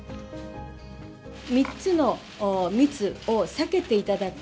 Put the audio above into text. ３つの密を避けていただく。